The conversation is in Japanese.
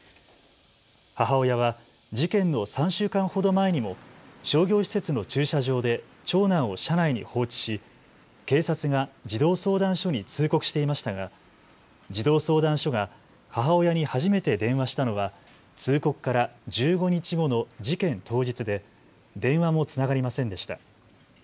母親は事件の３週間ほど前にも商業施設の駐車場で長男を車内に放置し警察が児童相談所に通告していましたが児童相談所が母親に初めて電話したのは通告から１５日後の事件当日で電話もつながりませんでした。